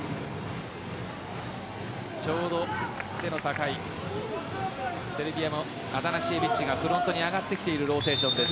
ちょうど、背の高いセルビアのアタナシエビッチがフロントに上がってきているローテーションです。